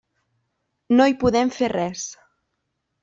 No hi podem fer res.